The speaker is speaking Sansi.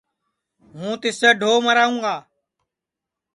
ہوں تِسیں ڈھو مراوں گا